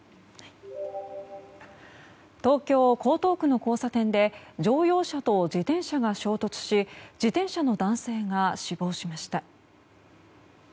東京・江東区の交差点で乗用車と自転車が衝突し自転車の男性が死亡しました。